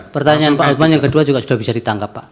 pertanyaan pak lukman yang kedua juga sudah bisa ditangkap pak